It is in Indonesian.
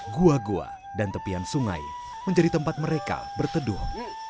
gua gua dan tepian sungai menjadi tempat mereka berteduh